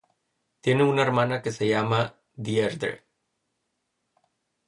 Tiene una hermana que se llama Deirdre.